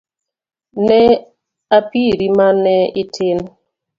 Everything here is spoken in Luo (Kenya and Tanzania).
Ne a piri mane itin